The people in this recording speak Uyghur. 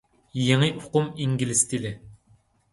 يېڭى ئۇقۇم ئىنگلىز تىلى.